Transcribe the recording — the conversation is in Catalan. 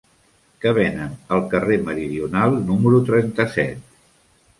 Què venen al carrer Meridional número trenta-set?